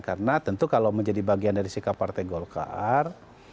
karena tentu kalau menjadi bagian dari sikap partai golkar